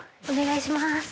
お願いします。